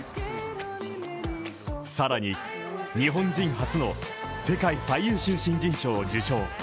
さらに、日本人初の世界最優秀新人賞を受賞。